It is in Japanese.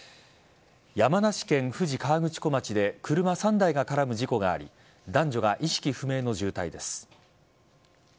山梨県富士河口湖町で車３台が絡む事故があり男女が意識不明の重体です。